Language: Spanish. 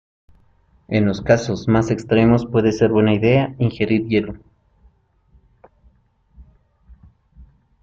En los casos más extremos, puede ser buena idea ingerir hielo.